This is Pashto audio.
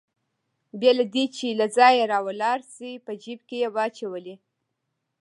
بې له دې چې له ځایه راولاړ شي په جېب کې يې واچولې.